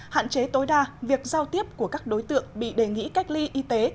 hạn chế tối đa việc giao tiếp của các đối tượng bị đề nghị cách ly y tế